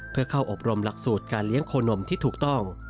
เพื่อเข้าอบรมหลักสูตรการเลี้ยงโคนมที่ถูกต้อง